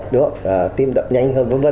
đúng không tim đậm nhanh hơn v v